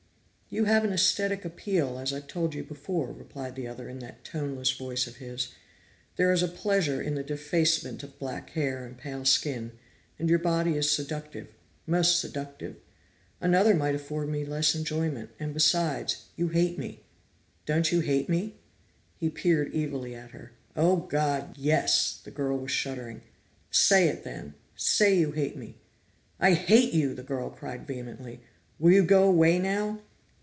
"You have an aesthetic appeal, as I've told you before," replied the other in that toneless voice of his. "There is a pleasure in the defacement of black hair and pale skin, and your body is seductive, most seductive. Another might afford me less enjoyment, and besides, you hate me. Don't you hate me?" He peered evilly at her. "Oh, God yes!" The girl was shuddering. "Say it, then! Say you hate me!" "I hate you!" the girl cried vehemently. "Will you go away now?"